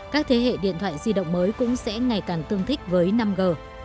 các thế hệ điện thoại di động mới cũng sẽ ngày càng tương thích với năm g